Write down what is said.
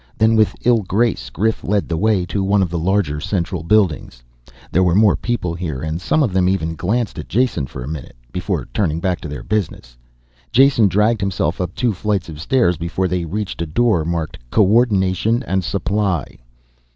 Then, with ill grace, Grif led the way to one of the larger, central buildings. There were more people here and some of them even glanced at Jason for a minute, before turning back to their business. Jason dragged himself up two flights of stairs before they reached a door marked CO ORDINATION AND SUPPLY.